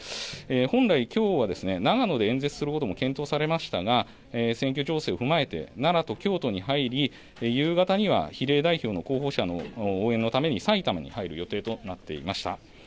本来きょうは長野で演説することも検討されましたが選挙情勢を踏まえて奈良と京都に入り夕方には比例代表の候補者の応援のために埼玉に入る予定となっていました。